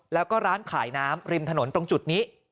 แล้วก็ร้านขายน้ำริมถนนตรงจุดนี้